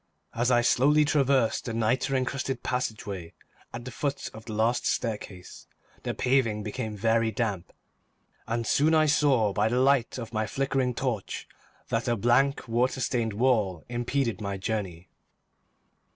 As I slowly traversed the nitre encrusted passageway at the foot of the last staircase, the paving became very damp, and soon I saw by the light of my flickering torch that a blank, water stained wall impeded my journey.